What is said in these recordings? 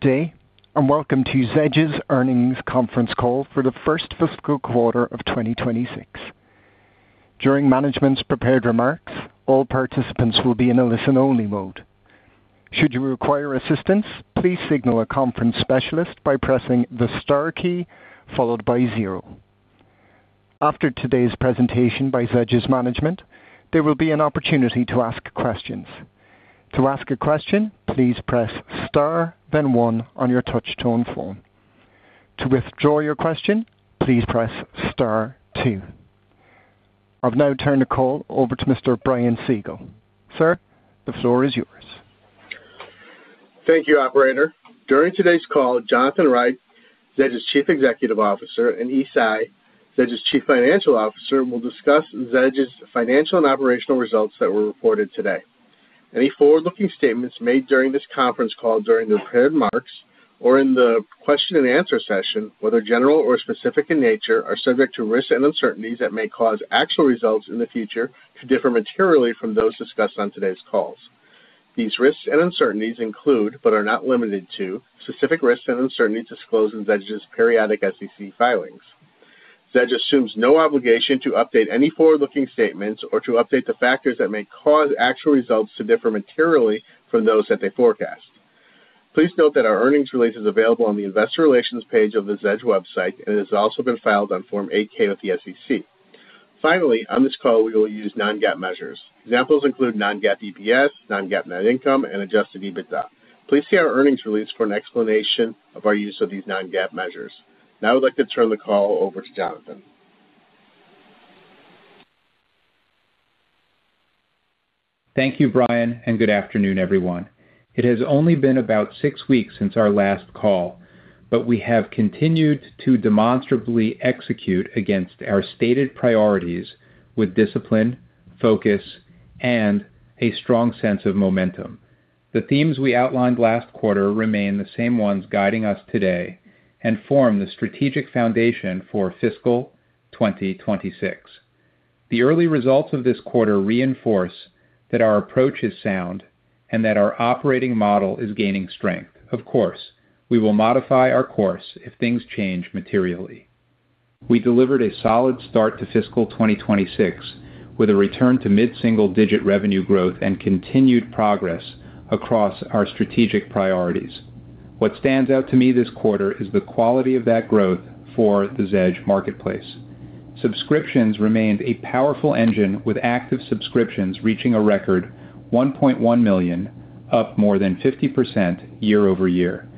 day, and welcome to Zedge's earnings conference call for the first fiscal quarter of 2026. During management's prepared remarks, all participants will be in a listen-only mode. Should you require assistance, please signal a conference specialist by pressing the star key followed by zero. After today's presentation by Zedge's management, there will be an opportunity to ask questions. To ask a question, please press star, then one on your touch-tone phone. To withdraw your question, please press star, two. I've now turned the call over to Mr. Brian Siegel. Sir, the floor is yours. Thank you, Operator. During today's call, Jonathan Reich, Zedge's Chief Executive Officer, and Yi Tsai, Zedge's Chief Financial Officer, will discuss Zedge's financial and operational results that were reported today. Any forward-looking statements made during this conference call during the prepared remarks or in the question-and-answer session, whether general or specific in nature, are subject to risks and uncertainties that may cause actual results in the future to differ materially from those discussed on today's calls. These risks and uncertainties include, but are not limited to, specific risks and uncertainties disclosed in Zedge's periodic SEC filings. Zedge assumes no obligation to update any forward-looking statements or to update the factors that may cause actual results to differ materially from those that they forecast. Please note that our earnings release is available on the Investor Relations page of the Zedge website, and it has also been filed on with the SEC. Finally, on this call, we will use non-GAAP measures. Examples include non-GAAP EPS, non-GAAP net income, and Adjusted EBITDA. Please see our earnings release for an explanation of our use of these non-GAAP measures. Now I'd like to turn the call over to Jonathan. Thank you, Brian, and good afternoon, everyone. It has only been about six weeks since our last call, but we have continued to demonstrably execute against our stated priorities with discipline, focus, and a strong sense of momentum. The themes we outlined last quarter remain the same ones guiding us today and form the strategic foundation for fiscal 2026. The early results of this quarter reinforce that our approach is sound and that our operating model is gaining strength. Of course, we will modify our course if things change materially. We delivered a solid start to fiscal 2026 with a return to mid-single-digit revenue growth and continued progress across our strategic priorities. What stands out to me this quarter is the quality of that growth for the Zedge Marketplace. Subscriptions remained a powerful engine, with active subscriptions reaching a record 1.1 million, up more than 50% year-over-year.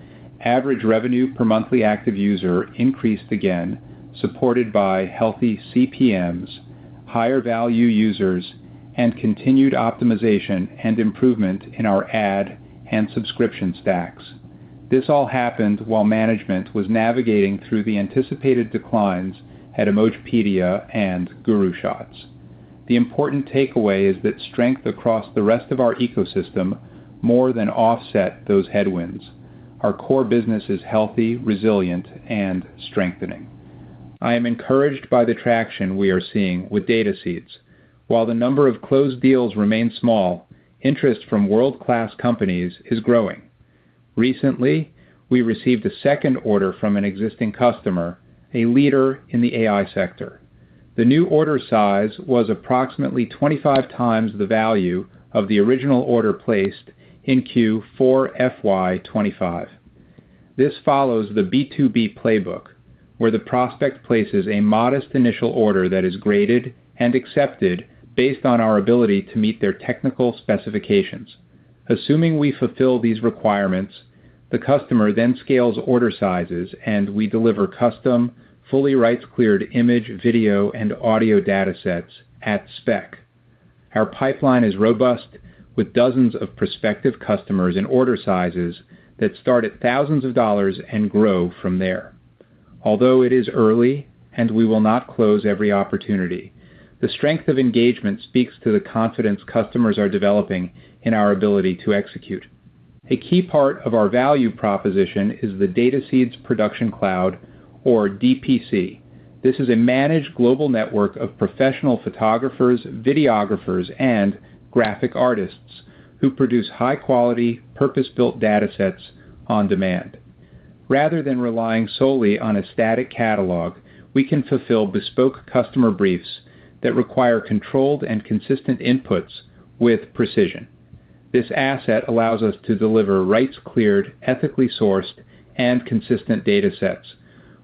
Average revenue per monthly active user increased again, supported by healthy CPMs, higher value users, and continued optimization and improvement in our ad and subscription stacks. This all happened while management was navigating through the anticipated declines at Emojipedia and GuruShots. The important takeaway is that strength across the rest of our ecosystem more than offsets those headwinds. Our core business is healthy, resilient, and strengthening. I am encouraged by the traction we are seeing with DataSeeds. While the number of closed deals remains small, interest from world-class companies is growing. Recently, we received a second order from an existing customer, a leader in the AI sector. The new order size was approximately 25x the value of the original order placed in Q4 FY25. This follows the B2B playbook, where the prospect places a modest initial order that is graded and accepted based on our ability to meet their technical specifications. Assuming we fulfill these requirements, the customer then scales order sizes, and we deliver custom, fully rights-cleared image, video, and audio datasets at spec. Our pipeline is robust, with dozens of prospective customers and order sizes that start at thousands of dollars and grow from there. Although it is early and we will not close every opportunity, the strength of engagement speaks to the confidence customers are developing in our ability to execute. A key part of our value proposition is the DataSeeds Production Cloud, or DPC. This is a managed global network of professional photographers, videographers, and graphic artists who produce high-quality, purpose-built datasets on demand. Rather than relying solely on a static catalog, we can fulfill bespoke customer briefs that require controlled and consistent inputs with precision. This asset allows us to deliver rights-cleared, ethically sourced, and consistent datasets,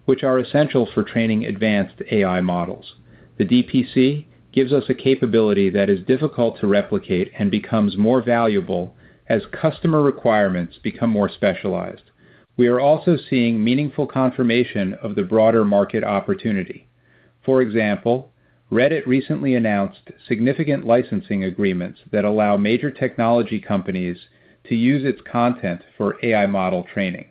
which are essential for training advanced AI models. The DPC gives us a capability that is difficult to replicate and becomes more valuable as customer requirements become more specialized. We are also seeing meaningful confirmation of the broader market opportunity. For example, Reddit recently announced significant licensing agreements that allow major technology companies to use its content for AI model training.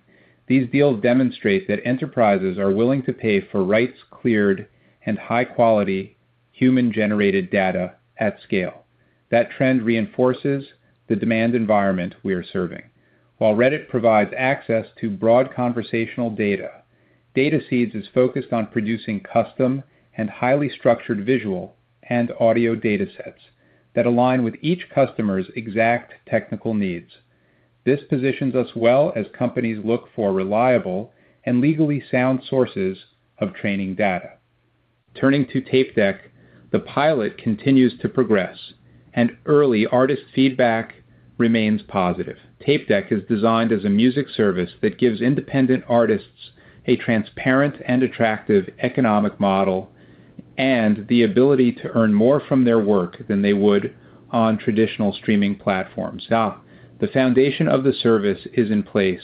These deals demonstrate that enterprises are willing to pay for rights-cleared and high-quality human-generated data at scale. That trend reinforces the demand environment we are serving. While Reddit provides access to broad conversational data, DataSeeds is focused on producing custom and highly structured visual and audio datasets that align with each customer's exact technical needs. This positions us well as companies look for reliable and legally sound sources of training data. Turning to TapeDeck, the pilot continues to progress, and early artist feedback remains positive. TapeDeck is designed as a music service that gives independent artists a transparent and attractive economic model and the ability to earn more from their work than they would on traditional streaming platforms. The foundation of the service is in place,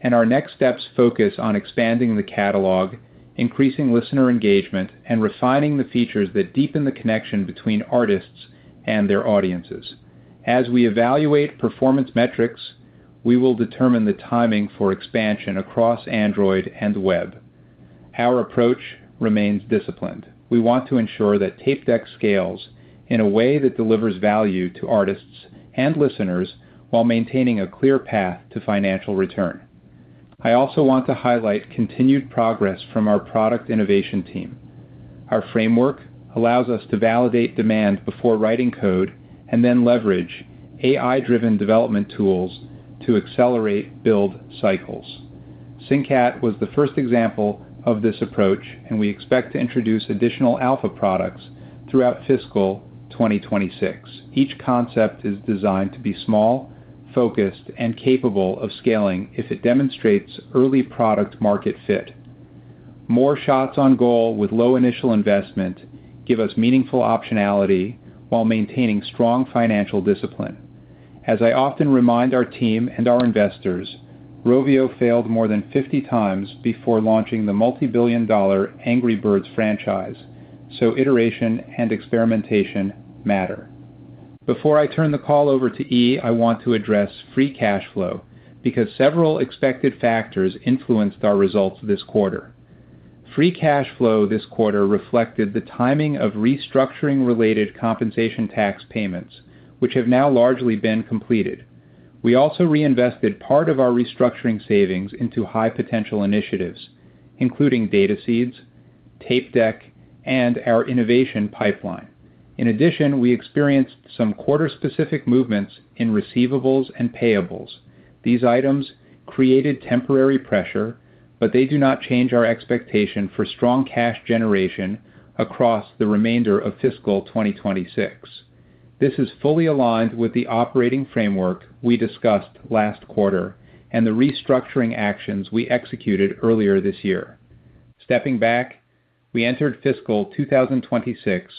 and our next steps focus on expanding the catalog, increasing listener engagement, and refining the features that deepen the connection between artists and their audiences. As we evaluate performance metrics, we will determine the timing for expansion across Android and web. Our approach remains disciplined. We want to ensure that TapeDeck scales in a way that delivers value to artists and listeners while maintaining a clear path to financial return. I also want to highlight continued progress from our product innovation team. Our framework allows us to validate demand before writing code and then leverage AI-driven development tools to accelerate build cycles. SynCat was the first example of this approach, and we expect to introduce additional alpha products throughout fiscal 2026. Each concept is designed to be small, focused, and capable of scaling if it demonstrates early product-market fit. More shots on goal with low initial investment give us meaningful optionality while maintaining strong financial discipline. As I often remind our team and our investors, Rovio failed more than 50x before launching the multi-billion dollar Angry Birds franchise, so iteration and experimentation matter. Before I turn the call over to Yi, I want to address Free Cash Flow because several expected factors influenced our results this quarter. Free Cash Flow this quarter reflected the timing of restructuring-related compensation tax payments, which have now largely been completed. We also reinvested part of our restructuring savings into high-potential initiatives, including DataSeeds, TapeDeck, and our innovation pipeline. In addition, we experienced some quarter-specific movements in receivables and payables. These items created temporary pressure, but they do not change our expectation for strong cash generation across the remainder of fiscal 2026. This is fully aligned with the operating framework we discussed last quarter and the restructuring actions we executed earlier this year. Stepping back, we entered fiscal 2026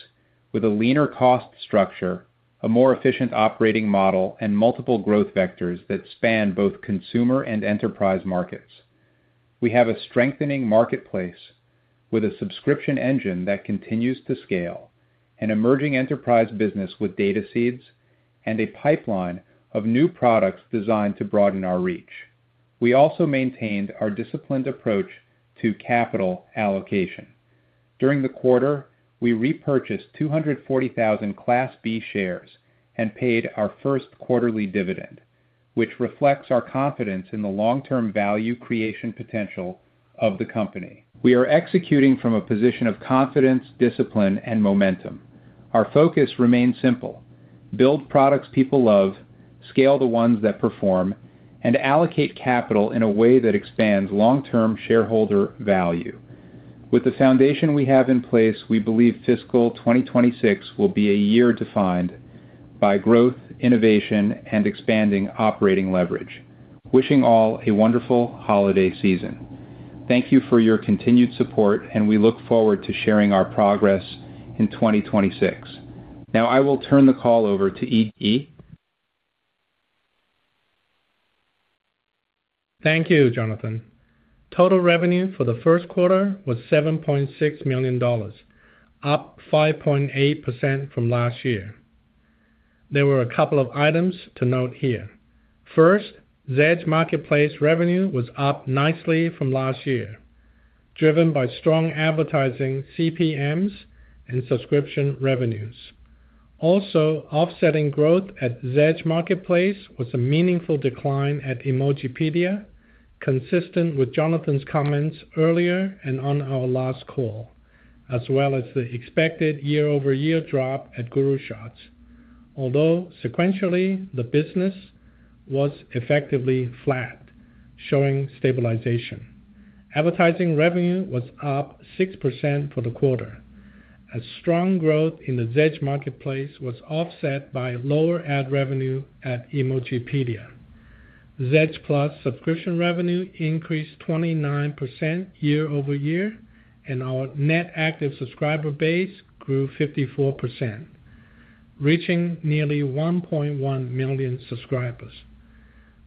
with a leaner cost structure, a more efficient operating model, and multiple growth vectors that span both consumer and enterprise markets. We have a strengthening marketplace with a subscription engine that continues to scale, an emerging enterprise business with DataSeeds, and a pipeline of new products designed to broaden our reach. We also maintained our disciplined approach to capital allocation. During the quarter, we repurchased 240,000 Class B shares and paid our first quarterly dividend, which reflects our confidence in the long-term value creation potential of the company. We are executing from a position of confidence, discipline, and momentum. Our focus remains simple: build products people love, scale the ones that perform, and allocate capital in a way that expands long-term shareholder value. With the foundation we have in place, we believe fiscal 2026 will be a year defined by growth, innovation, and expanding operating leverage. Wishing all a wonderful holiday season. Thank you for your continued support, and we look forward to sharing our progress in 2026. Now I will turn the call over to Yi. Thank you, Jonathan. Total revenue for the first quarter was $7.6 million, up 5.8% from last year. There were a couple of items to note here. First, Zedge Marketplace revenue was up nicely from last year, driven by strong advertising CPMs and subscription revenues. Also, offsetting growth at Zedge Marketplace was a meaningful decline at Emojipedia, consistent with Jonathan's comments earlier and on our last call, as well as the expected year-over-year drop at GuruShots. Although sequentially, the business was effectively flat, showing stabilization. Advertising revenue was up 6% for the quarter. A strong growth in the Zedge Marketplace was offset by lower ad revenue at Emojipedia. Zedge+ subscription revenue increased 29% year-over-year, and our net active subscriber base grew 54%, reaching nearly 1.1 million subscribers.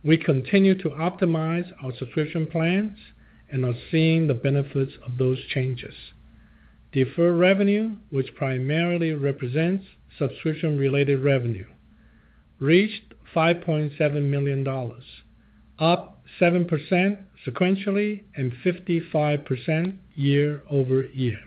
We continue to optimize our subscription plans and are seeing the benefits of those changes. Deferred revenue, which primarily represents subscription-related revenue, reached $5.7 million, up 7% sequentially and 55% year-over-year.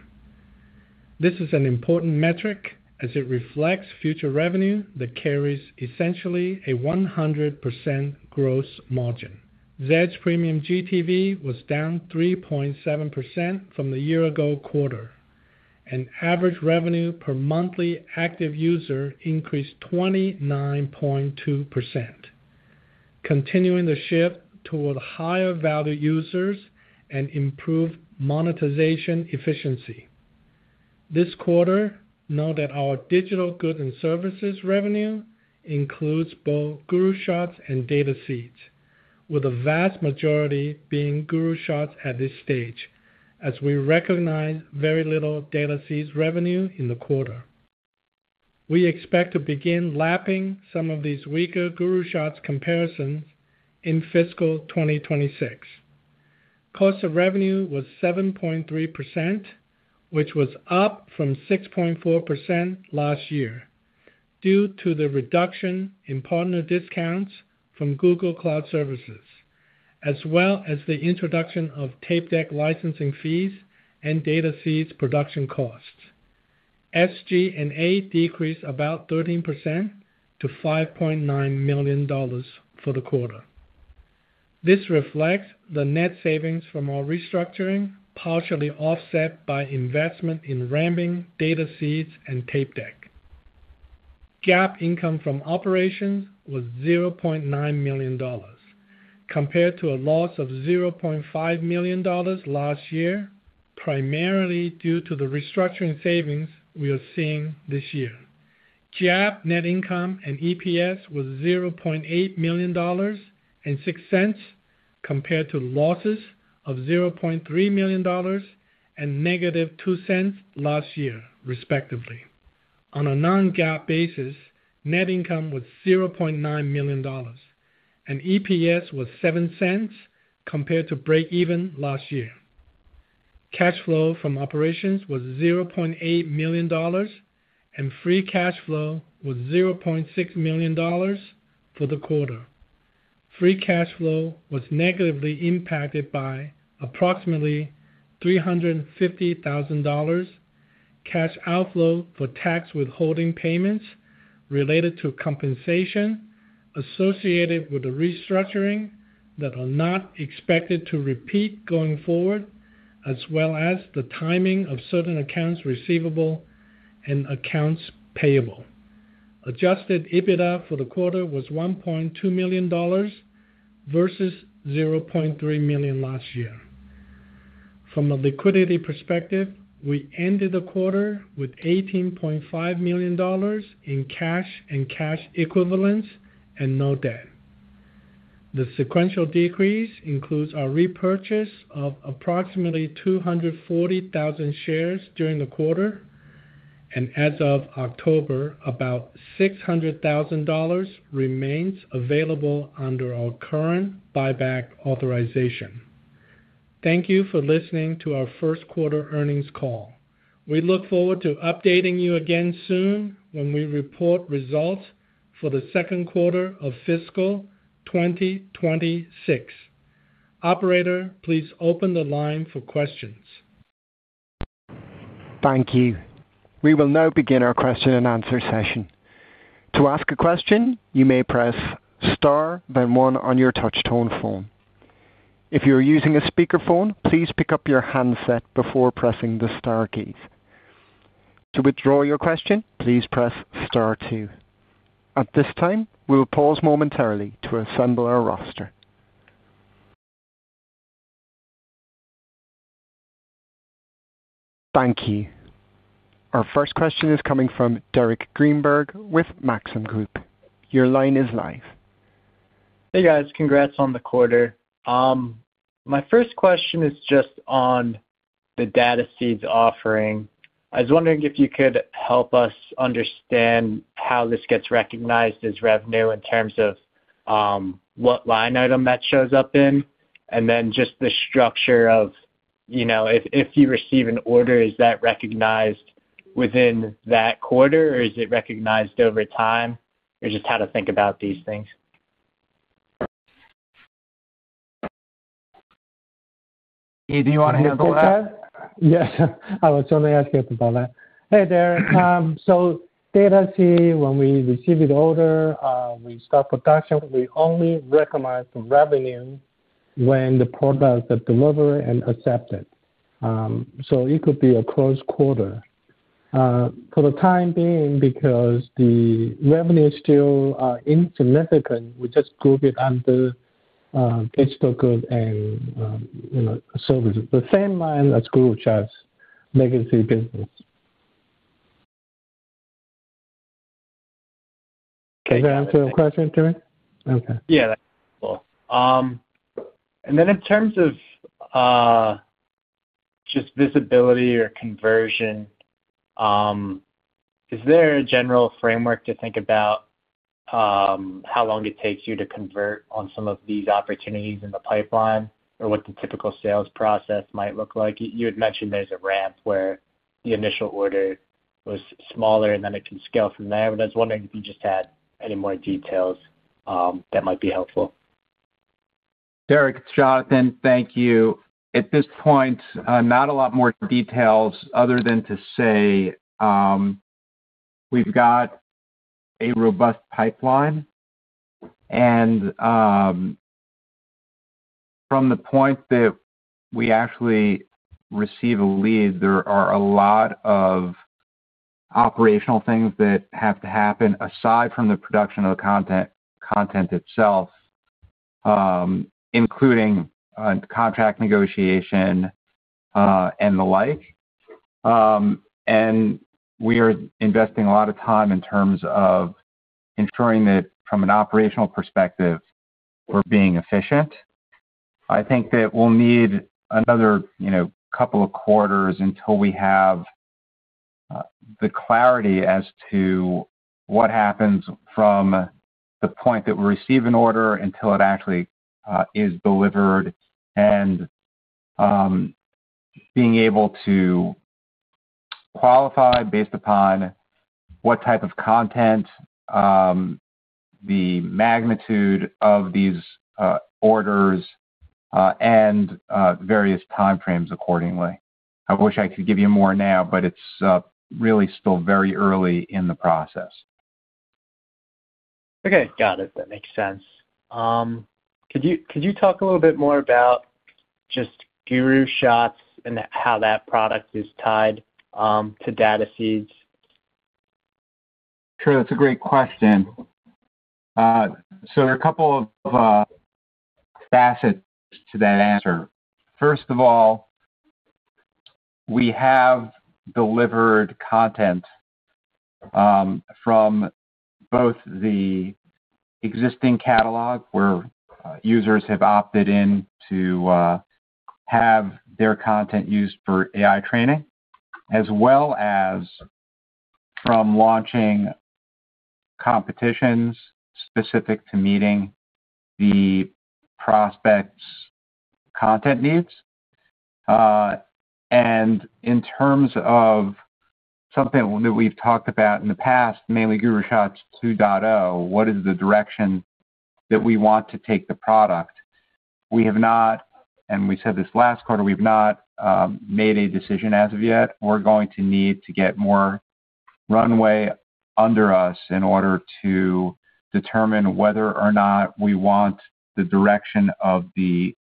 This is an important metric as it reflects future revenue that carries essentially a 100% gross margin. Zedge Premium GTV was down 3.7% from the year-ago quarter, and average revenue per monthly active user increased 29.2%, continuing the shift toward higher value users and improved monetization efficiency. This quarter, note that our digital goods and services revenue includes both GuruShots and DataSeeds, with a vast majority being GuruShots at this stage, as we recognize very little DataSeeds revenue in the quarter. We expect to begin lapping some of these weaker GuruShots comparisons in fiscal 2026. Cost of revenue was 7.3%, which was up from 6.4% last year due to the reduction in partner discounts from Google Cloud Services, as well as the introduction of TapeDeck licensing fees and DataSeeds production costs. SG&A decreased about 13% to $5.9 million for the quarter. This reflects the net savings from our restructuring, partially offset by investment in marketing, DataSeeds, and TapeDeck. GAAP income from operations was $0.9 million, compared to a loss of $0.5 million last year, primarily due to the restructuring savings we are seeing this year. GAAP net income and EPS was $0.8 million and $0.06, compared to losses of $0.3 million and (-$0.02) last year, respectively. On a non-GAAP basis, net income was $0.9 million, and EPS was $0.07, compared to break-even last year. Cash flow from operations was $0.8 million, and free cash flow was $0.6 million for the quarter. Free cash flow was negatively impacted by approximately $350,000 cash outflow for tax withholding payments related to compensation associated with the restructuring that are not expected to repeat going forward, as well as the timing of certain accounts receivable and accounts payable. Adjusted EBITDA for the quarter was $1.2 million versus $0.3 million last year. From a liquidity perspective, we ended the quarter with $18.5 million in cash and cash equivalents and no debt. The sequential decrease includes our repurchase of approximately 240,000 shares during the quarter, and as of October, about $600,000 remains available under our current buyback authorization. Thank you for listening to our first quarter earnings call. We look forward to updating you again soon when we report results for the second quarter of fiscal 2026. Operator, please open the line for questions. Thank you. We will now begin our question and answer session. To ask a question, you may press star then one on your touch-tone phone. If you're using a speakerphone, please pick up your handset before pressing the star keys. To withdraw your question, please press star two. At this time, we will pause momentarily to assemble our roster. Thank you. Our first question is coming from Derek Greenberg with Maxim Group. Your line is live. Hey, guys. Congrats on the quarter. My first question is just on the DataSeeds offering. I was wondering if you could help us understand how this gets recognized as revenue in terms of what line item that shows up in, and then just the structure of if you receive an order, is that recognized within that quarter, or is it recognized over time, or just how to think about these things? Yi, do you want to handle that? Yes. I was only asking about that. Hey, Derek. So DataSeeds, when we receive the order, we start production. We only recognize the revenue when the product is delivered and accepted. So it could be a closed quarter. For the time being, because the revenue is still insignificant, we just group it under digital goods and services. The same line as GuruShots, legacy business. Okay. Can you answer the question, Derek? Okay. Yeah, that's helpful. And then in terms of just visibility or conversion, is there a general framework to think about how long it takes you to convert on some of these opportunities in the pipeline or what the typical sales process might look like? You had mentioned there's a ramp where the initial order was smaller, and then it can scale from there. But I was wondering if you just had any more details that might be helpful. Derek, Jonathan, thank you. At this point, not a lot more details other than to say we've got a robust pipeline, and from the point that we actually receive a lead, there are a lot of operational things that have to happen aside from the production of the content itself, including contract negotiation and the like, and we are investing a lot of time in terms of ensuring that from an operational perspective, we're being efficient. I think that we'll need another couple of quarters until we have the clarity as to what happens from the point that we receive an order until it actually is delivered and being able to qualify based upon what type of content, the magnitude of these orders, and various time frames accordingly. I wish I could give you more now, but it's really still very early in the process. Okay. Got it. That makes sense. Could you talk a little bit more about just GuruShots and how that product is tied to DataSeeds? Sure. That's a great question. So there are a couple of facets to that answer. First of all, we have delivered content from both the existing catalog where users have opted in to have their content used for AI training, as well as from launching competitions specific to meeting the prospect's content needs. And in terms of something that we've talked about in the past, mainly GuruShots 2.0, what is the direction that we want to take the product? We have not, and we said this last quarter, we've not made a decision as of yet. We're going to need to get more runway under us in order to determine whether or not we want the direction of the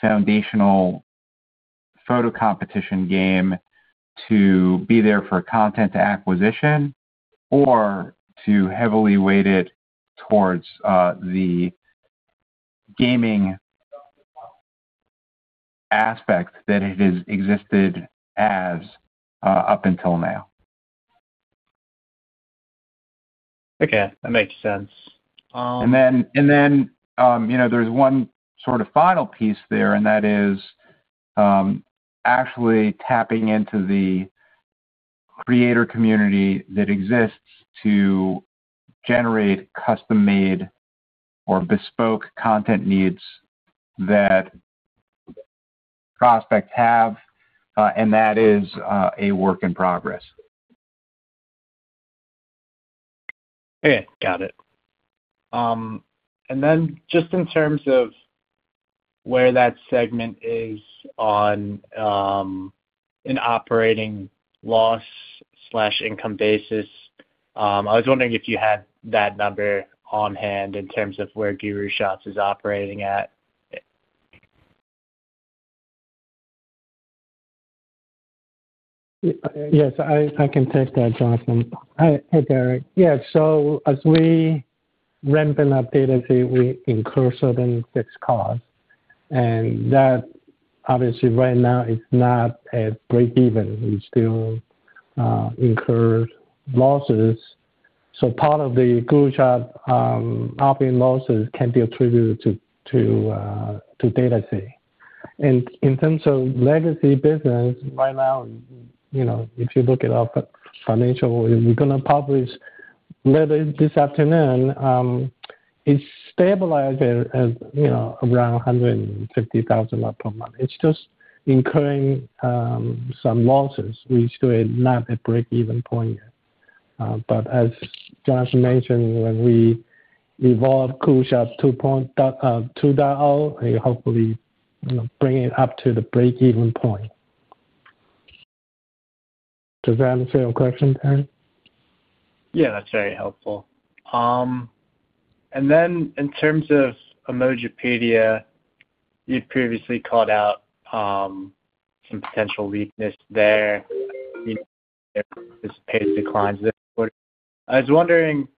foundational photo competition game to be there for content acquisition or to heavily weight it towards the gaming aspect that it has existed as up until now. Okay. That makes sense. Then there's one sort of final piece there, and that is actually tapping into the creator community that exists to generate custom-made or bespoke content needs that prospects have, and that is a work in progress. Okay. Got it. And then just in terms of where that segment is on an operating loss/income basis, I was wondering if you had that number on hand in terms of where GuruShots is operating at? Yes, I can take that, Jonathan. Hey, Derek. Yeah. So as we ramp in our DataSeeds, we incur certain fixed costs. And that, obviously, right now is not at break-even. We still incur losses. So part of the GuruShots operating losses can be attributed to DataSeeds. And in terms of legacy business, right now, if you look at our financials, we're going to publish later this afternoon. It's stabilized at around $150,000 per month. It's just incurring some losses. We still are not at break-even point yet. But as Jonathan mentioned, when we evolve GuruShots 2.0, we'll hopefully bring it up to the break-even point. Does that answer your question, Derek? Yeah, that's very helpful. And then in terms of Emojipedia, you previously called out some potential weakness there. You anticipated declines there. I was wondering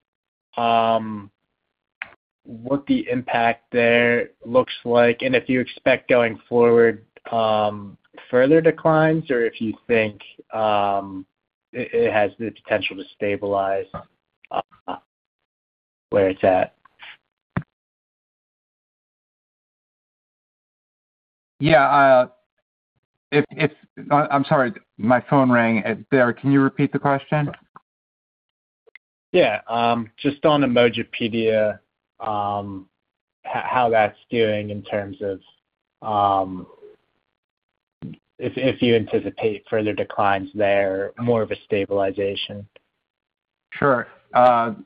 what the impact there looks like, and if you expect going forward further declines, or if you think it has the potential to stabilize where it's at. Yeah. I'm sorry. My phone rang. Derek, can you repeat the question? Yeah. Just on Emojipedia, how that's doing in terms of if you anticipate further declines there, more of a stabilization? Sure. I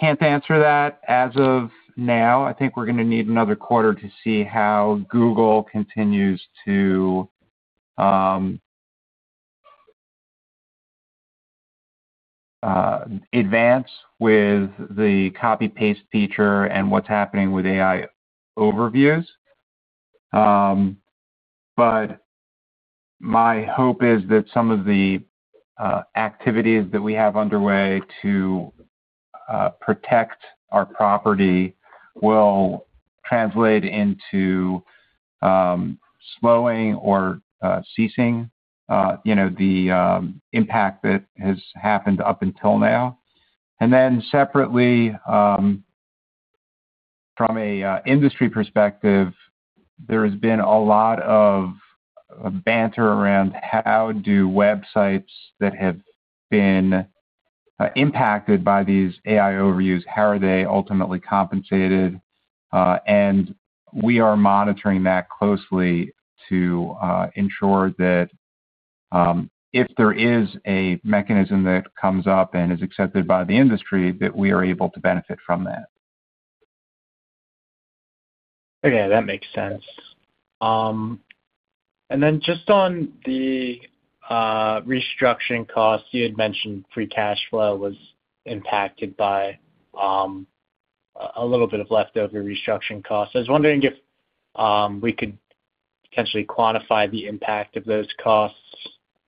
can't answer that as of now. I think we're going to need another quarter to see how Google continues to advance with the copy-paste feature and what's happening with AI Overviews. But my hope is that some of the activities that we have underway to protect our property will translate into slowing or ceasing the impact that has happened up until now. And then separately, from an industry perspective, there has been a lot of banter around how do websites that have been impacted by these AI Overviews, how are they ultimately compensated? And we are monitoring that closely to ensure that if there is a mechanism that comes up and is accepted by the industry, that we are able to benefit from that. Okay. That makes sense. And then just on the restructuring costs, you had mentioned free cash flow was impacted by a little bit of leftover restructuring costs. I was wondering if we could potentially quantify the impact of those costs.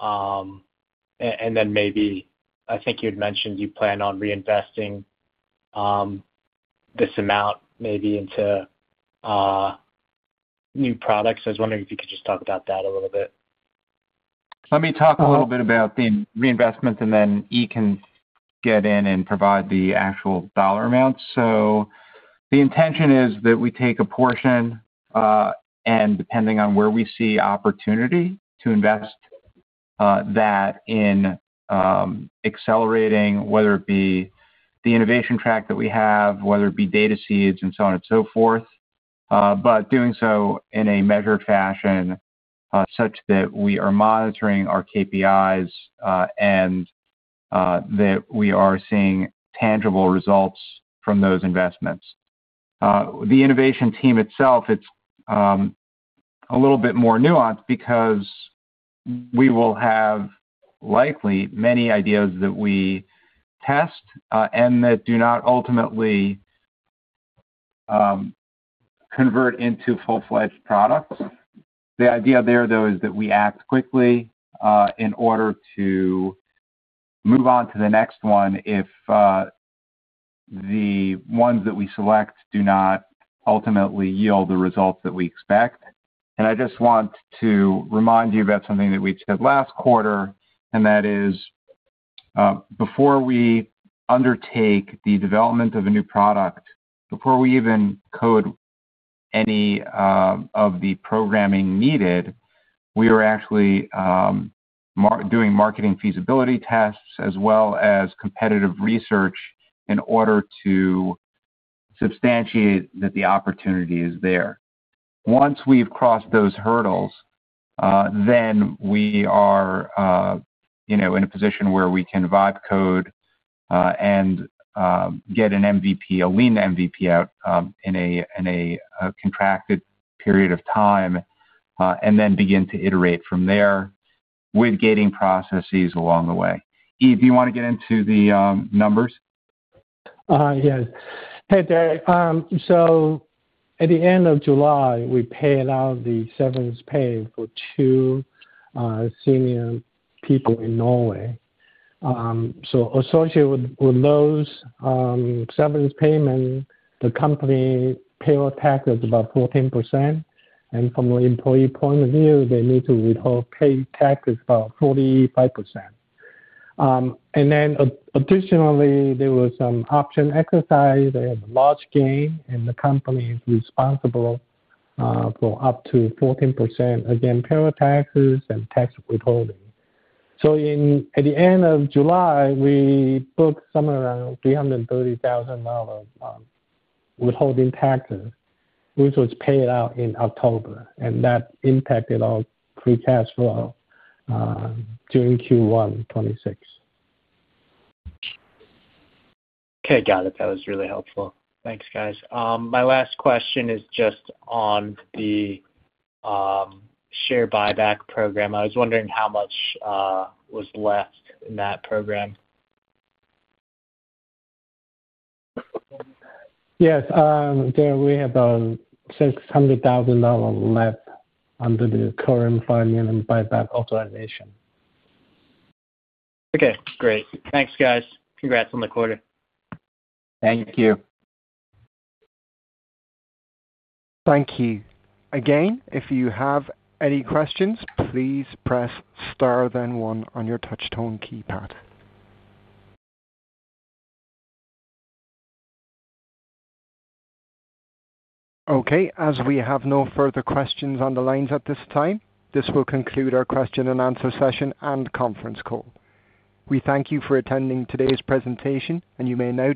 And then maybe I think you had mentioned you plan on reinvesting this amount maybe into new products. I was wondering if you could just talk about that a little bit? Let me talk a little bit about the reinvestments, and then Yi can get in and provide the actual dollar amounts. So the intention is that we take a portion, and depending on where we see opportunity to invest, that in accelerating, whether it be the innovation track that we have, whether it be DataSeeds and so on and so forth, but doing so in a measured fashion such that we are monitoring our KPIs and that we are seeing tangible results from those investments. The innovation team itself, it's a little bit more nuanced because we will have likely many ideas that we test and that do not ultimately convert into full-fledged products. The idea there, though, is that we act quickly in order to move on to the next one if the ones that we select do not ultimately yield the results that we expect. I just want to remind you about something that we said last quarter, and that is before we undertake the development of a new product, before we even code any of the programming needed, we are actually doing marketing feasibility tests as well as competitive research in order to substantiate that the opportunity is there. Once we've crossed those hurdles, then we are in a position where we can write code and get an MVP, a lean MVP out in a contracted period of time, and then begin to iterate from there with gating processes along the way. Yi, do you want to get into the numbers? Yes. Hey, Derek. So at the end of July, we paid out the severance pay for two senior people in Norway. So associated with those severance payments, the company payroll tax is about 14%. And from an employee point of view, they need to withhold paid taxes about 45%. And then additionally, there was some option exercise. They have a large gain, and the company is responsible for up to 14%, again, payroll taxes and tax withholding. So at the end of July, we booked somewhere around $330,000 withholding taxes, which was paid out in October. And that impacted our free cash flow during Q1 2026. Okay. Got it. That was really helpful. Thanks, guys. My last question is just on the share buyback program. I was wondering how much was left in that program? Yes. There we have $600,000 left under the current funding and buyback authorization. Okay. Great. Thanks, guys. Congrats on the quarter. Thank you. Thank you again. If you have any questions, please press star then one on your touch-tone keypad. Okay. As we have no further questions on the lines at this time, this will conclude our question and answer session and conference call. We thank you for attending today's presentation, and you may now.